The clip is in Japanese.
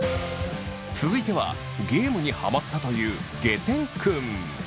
続いてはゲームにハマったというげてん君。